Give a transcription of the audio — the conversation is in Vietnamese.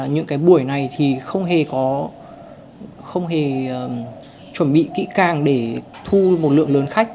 những cái buổi này thì không hề có không hề chuẩn bị kỹ càng để thu một lượng lớn khách